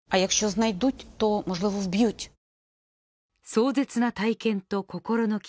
壮絶な体験と心の傷。